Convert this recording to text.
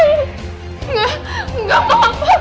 enggak enggak ma